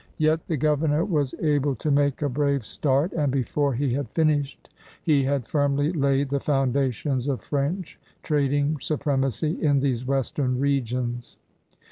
Yet the governor was able to make a brave start, and before he had finished he had firmly laid the foundations of French trading supremacy in these western regions.